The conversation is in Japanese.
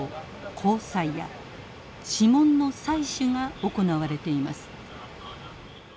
虹彩や指紋の採取が行われています。